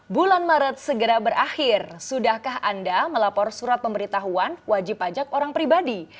bulan maret segera berakhir sudahkah anda melapor surat pemberitahuan wajib pajak orang pribadi